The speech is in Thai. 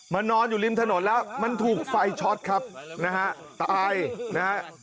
นอนอยู่ริมถนนแล้วมันถูกไฟช็อตครับนะฮะตายนะฮะ